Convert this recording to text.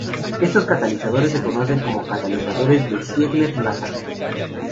Estos catalizadores se conocen como catalizadores de Ziegler-Natta.